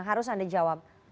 harus anda jawab